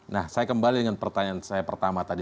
nah saya kembali dengan pertanyaan saya pertama tadi